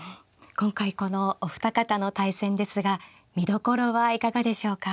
今回このお二方の対戦ですが見どころはいかがでしょうか。